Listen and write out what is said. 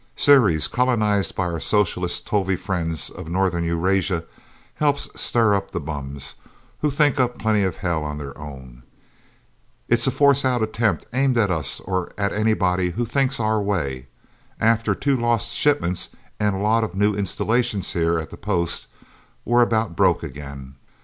Ceres, colonized by our socialist Tovie friends of northern Eurasia, helps stir up the bums, who think up plenty of hell on their own. It's a force out attempt aimed at us or at anybody who thinks our way. After two lost shipments, and a lot of new installations here at the Post, we're about broke, again.